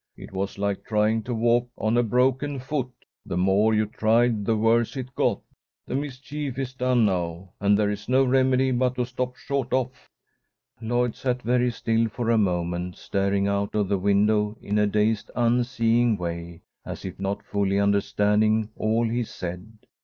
It was like trying to walk on a broken foot. The more you tried, the worse it got. The mischief is done now, and there is no remedy but to stop short off." Lloyd sat very still for a moment, staring out of the window in a dazed, unseeing way, as if not fully understanding all he said.